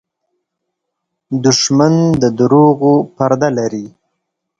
دښمن د دروغو پرده لري